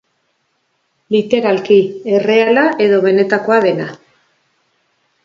Literalki, erreala edo benetakoa dena.